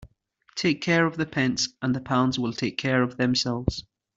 Take care of the pence and the pounds will take care of themselves.